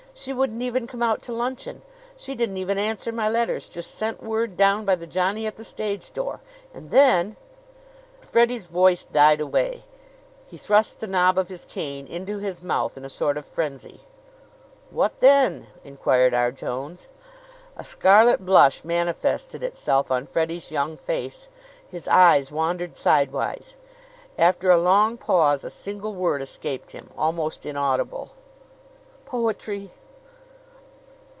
She wouldn't even come out to luncheon. She didn't even answer my letters just sent word down by the Johnny at the stage door. And then " Freddie's voice died away. He thrust the knob of his cane into his mouth in a sort of frenzy. "What then?" inquired R. Jones. A scarlet blush manifested itself on Freddie's young face. His eyes wandered sidewise. After a long pause a single word escaped him, almost inaudible: "Poetry!"